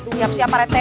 siap siap parete